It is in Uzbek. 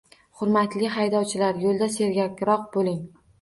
Hurmatli haydovchilar, yoʻlda sergakroq boʻling!